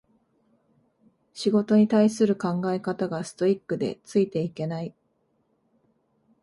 仕事に対する考え方がストイックでついていけない